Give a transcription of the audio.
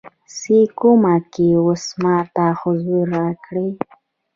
څې کومه کې اوس ماته حضور راکړی